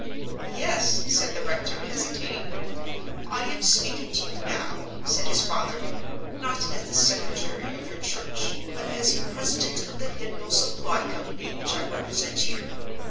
"Yes," said the rector, hesitating. "I am speaking to you now," said his father "not as the secretary of your church, but as president of the Hymnal Supply Company which I represent here.